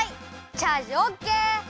チャージオッケー！